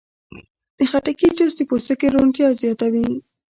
د خټکي جوس د پوستکي روڼتیا زیاتوي.